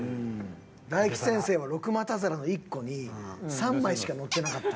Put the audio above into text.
大吉先生は六股皿の１個に３枚しかのってなかった。